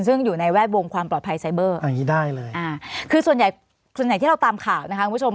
ซึ่งอยู่ในแวดวงความปลอดภัยไซเบอร์คือส่วนใหญ่ที่เราตามข่าวนะคะคุณผู้ชม